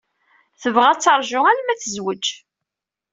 Tebɣa ad teṛju arma tezwej.